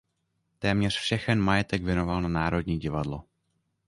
Téměř všechen majetek věnoval na Národní divadlo.